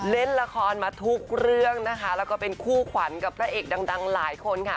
เล่นละครมาทุกเรื่องนะคะแล้วก็เป็นคู่ขวัญกับพระเอกดังหลายคนค่ะ